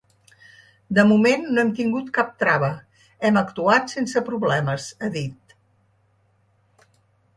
De moment no hem tingut cap trava, hem actuat sense problemes, ha dit.